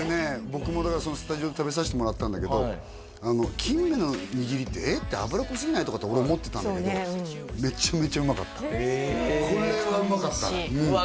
僕もスタジオで食べさせてもらったんだけど金目の握りって脂っこすぎない？とかって俺思ってたんだけどめちゃめちゃうまかったこれはうまかったうわ